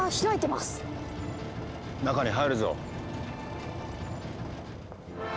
中に入るぞ！